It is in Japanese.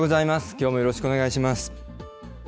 きょうもよろしくお願いします。